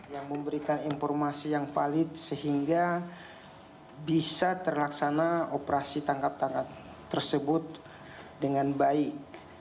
yang memberikan informasi yang valid sehingga bisa terlaksana operasi tangkap tangan tersebut dengan baik